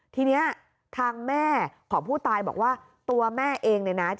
ทีนี้ทางแม่ของผู้ตายบอกว่าตัวแม่เองเนี่ยนะ